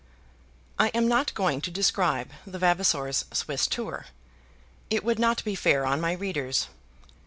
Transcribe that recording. I am not going to describe the Vavasors' Swiss tour. It would not be fair on my readers.